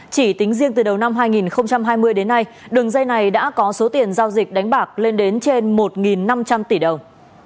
chỉ tính riêng từ đầu năm hai nghìn hai mươi đến nay đường dây này đã có số tiền giao dịch đánh bạc lên đến trên một năm trăm linh tỷ đồng